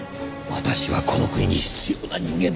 私はこの国に必要な人間だ。